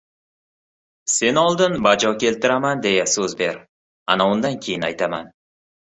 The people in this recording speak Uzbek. — Sen oldin, bajo keltiraman, deya so‘z ber. Ana undan keyin aytaman.